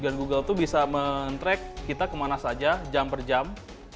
google itu bisa men track kita kemana saja jam per jam